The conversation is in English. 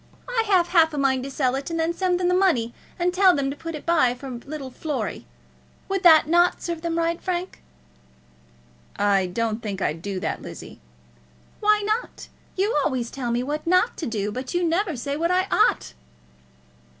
I have half a mind to sell it, and then send them the money, and tell them to put it by for my little Flory. Would not that serve them right, Frank?" "I don't think I'd do that, Lizzie." "Why not? You always tell me what not to do, but you never say what I ought!"